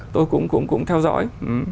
tôi cũng theo dõi